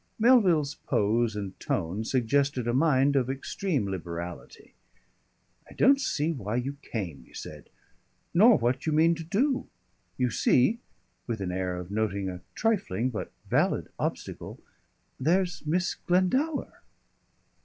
Melville's pose and tone suggested a mind of extreme liberality. "I don't see why you came," he said. "Nor what you mean to do. You see" with an air of noting a trifling but valid obstacle "there's Miss Glendower."